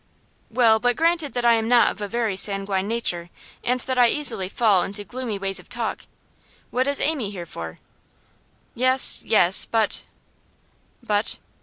'Well, but granted that I am not of a very sanguine nature, and that I easily fall into gloomy ways of talk, what is Amy here for?' 'Yes, yes. But ' 'But?